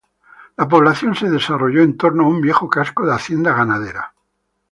La población se desarrolló en torno a un viejo casco de hacienda ganadera.